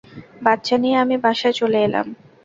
বাচ্চা নিয়ে আমি বাসায় চলে এলাম।